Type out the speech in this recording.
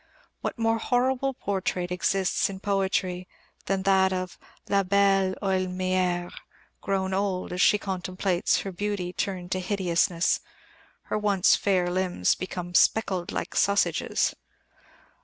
What more horrible portrait exists in poetry than that of "la belle Heaulmière" grown old, as she contemplates her beauty turned to hideousness her once fair limbs become "speckled like sausages"?